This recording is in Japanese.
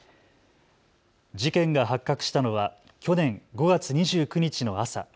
事件が発覚したのは去年５月２９日の朝。